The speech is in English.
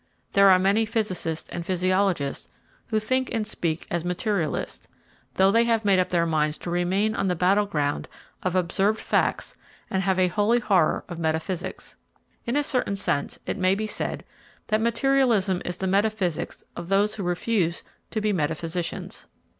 There are many physicists and physiologists who think and speak as materialists, though they have made up their minds to remain on the battle ground of observed facts and have a holy horror of metaphysics. In a certain sense, it may be said that materialism is the metaphysics of those who refuse to be metaphysicians.